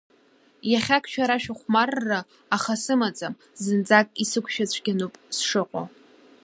Иахьак, шәара шәыхәмарра аха сымаӡам, зынӡак исықә-шәацәгьаны ауп сшыҟоу!